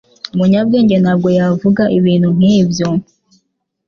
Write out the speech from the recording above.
Umunyabwenge ntabwo yavuga ibintu nkibyo